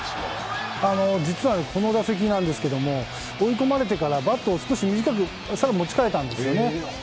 実は、この打席なんですけど追い込まれてからバットを少し短く持ち替えたんですね。